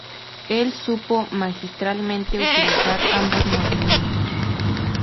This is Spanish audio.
Él supo, magistralmente, utilizar ambos movimientos.